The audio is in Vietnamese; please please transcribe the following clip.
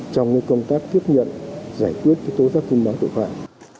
trong công tác tiếp nhận giải quyết tố giác tin báo tội phạm